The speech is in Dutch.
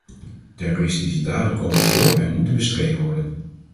Terroristische daden komen voor en moeten bestreden worden.